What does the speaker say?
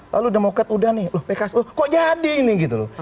lalu demokrat udah nih loh pks loh kok jadi ini gitu loh